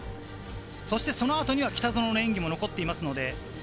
そしてその後には北園の演技も残っています。